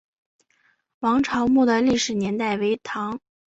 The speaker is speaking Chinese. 王潮墓的历史年代为唐。